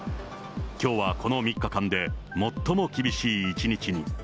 きょうはこの３日間で最も厳しい１日に。